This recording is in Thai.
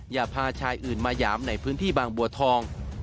อย่าพาชายอื่นมาหยามในพื้นที่บางบัวทอง